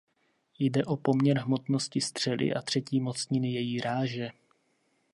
Jde o poměr hmotnosti střely a třetí mocniny její ráže.